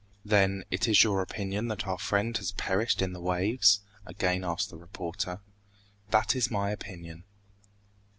"Then, it is your opinion that our friend has perished in the waves?" again asked the reporter. "That is my opinion."